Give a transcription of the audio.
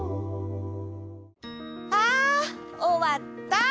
あおわった！